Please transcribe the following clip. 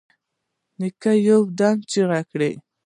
نيکه يودم چيغه کړه.